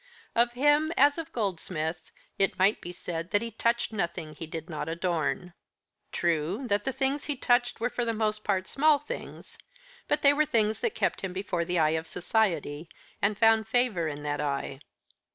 Of him, as of Goldsmith, it might be said that he touched nothing he did not adorn. True, that the things he touched were for the most part small things, but they were things that kept him before the eye of society, and found favour in that eye.